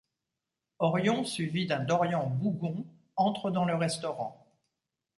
Orion suivi d’un Dorian bougon entre dans le restaurant.